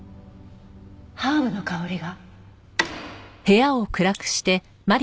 ハーブの香りが。